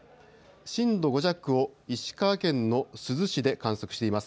震度５弱を石川県の珠洲市で観測しています。